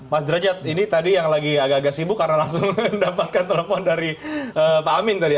mas derajat ini tadi yang lagi agak agak sibuk karena langsung mendapatkan telepon dari pak amin tadi